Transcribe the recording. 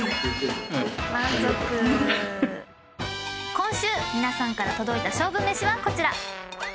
今週皆さんから届いた勝負めしはこちら。